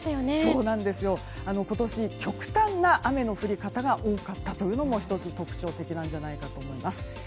今年、極端な雨の降り方が多かったというのも１つ、特徴的なんじゃないかと思います。